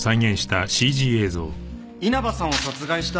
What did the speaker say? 稲葉さんを殺害した